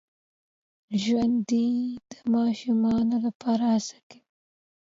ژوندي د ماشومانو لپاره هڅه کوي